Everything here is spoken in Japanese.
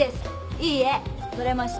いい絵撮れました。